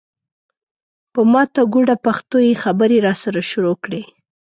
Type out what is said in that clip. په ماته ګوډه پښتو یې خبرې راسره شروع کړې.